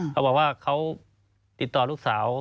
เขาบอกว่าเขาติดต่อลูกสาว